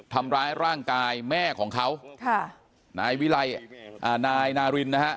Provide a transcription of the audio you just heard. ทำร้ายร่างกายแม่ของเขาค่ะนายวิไลอ่านายนารินนะฮะ